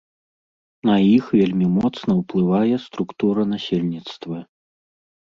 На іх вельмі моцна ўплывае структура насельніцтва.